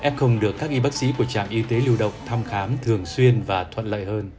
f được các y bác sĩ của trạm y tế lưu động thăm khám thường xuyên và thuận lợi hơn